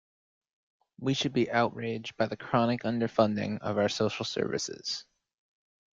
We should be outraged by the chronic underfunding of our social services.